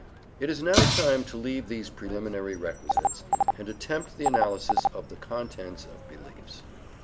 It is now time to leave these preliminary requisites, and attempt the analysis of the contents of beliefs.